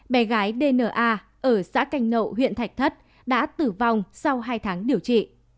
bé gái dna ở xã canh nậu huyện thạch thất đã tử vong sau hai tháng điều trị